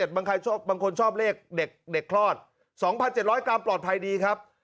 บางคนชอบเลขเด็กคลอด๒๗๐๐กรัมปลอดภัยดีครับ